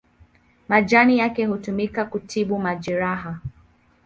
Majani yake hutumika kutibu majeraha.